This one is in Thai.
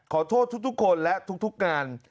ขอโทษทุกคนและทุกงาน